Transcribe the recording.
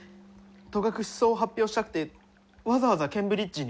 戸隠草を発表したくてわざわざケンブリッジに？